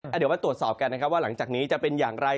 เดี๋ยวมาตรวจสอบกันนะครับว่าหลังจากนี้จะเป็นอย่างไร